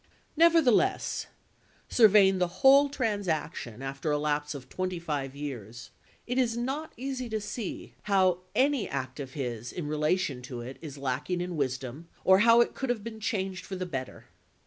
Nevertheless, surveying the whole transaction after a lapse of twenty five years, it is not easy to see how any 200 ABRAHAM LINCOLN chap. viii. act of his in relation to it is lacking in wisdom, or how it conld have been changed for the better.